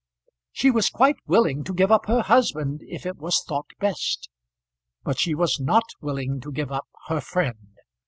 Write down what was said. She was quite willing to give up her husband if it was thought best, but she was not willing to give up her friend.